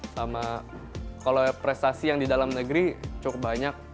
sama kalau prestasi yang di dalam negeri cukup banyak